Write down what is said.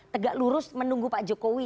tegak lurus menunggu pak jokowi